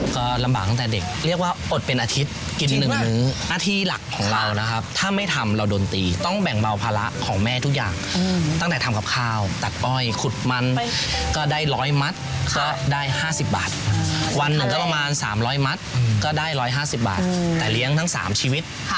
ก็ลำบากตั้งแต่เด็กเรียกว่าอดเป็นอาทิตย์กิน๑มื้อหน้าที่หลักของเรานะครับถ้าไม่ทำเราโดนตีต้องแบ่งเบาภาระของแม่ทุกอย่างตั้งแต่ทำกับข้าวตัดอ้อยขุดมันก็ได้๑๐๐มัตต์ก็ได้๕๐บาทวันหนึ่งก็ประมาณ๓๐๐มัตต์ก็ได้๑๕๐บาทแต่เลี้ยงทั้ง๓ชีวิต